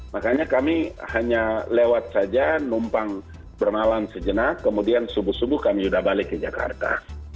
makanya kami hanya lewat saja numpang bermalan sejenak kemudian subuh subuh kami sudah balik ke jakarta